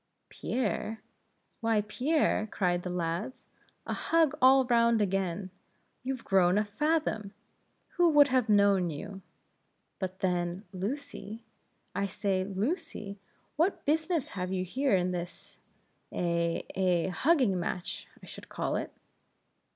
"Pierre? why, Pierre?" cried the lads "a hug all round again! You've grown a fathom! who would have known you? But, then Lucy? I say, Lucy? what business have you here in this eh? eh? hugging match, I should call it?"